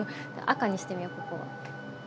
赤にしてみようここは。